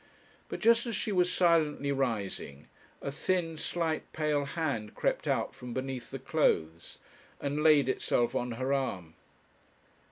But just as she was silently rising, a thin, slight, pale hand crept out from beneath the clothes, and laid itself on her arm.